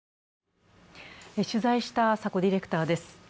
取材した佐古ディレクターです。